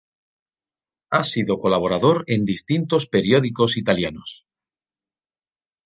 Ha sido colaborador en distintos periódicos italianos.